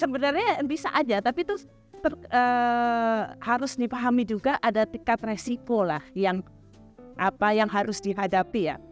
sebenarnya bisa aja tapi itu harus dipahami juga ada tingkat resiko lah yang harus dihadapi ya